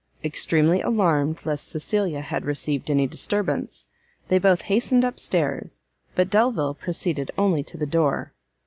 Extremely alarmed lest Cecilia had received any disturbance, they both hastened up stairs, but Delvile proceeded only to the door.